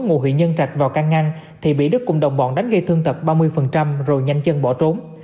ngụ huyện nhân trạch vào can ngăn thì bị đức cùng đồng bọn đánh gây thương tật ba mươi rồi nhanh chân bỏ trốn